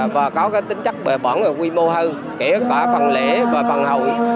và có tính chất bề bỏng và quy mô hơn kể cả phần lễ và phần hội